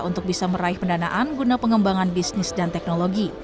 untuk bisa meraih pendanaan guna pengembangan bisnis dan teknologi